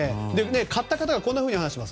買った方こんなふうに話しています。